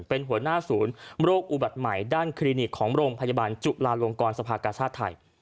เป็นหัวหน้าศูนย์โรคอุบัติใหม่ด้านคลินิกของโรงพยาบาลจุลาลงกรสภากาชาติไทย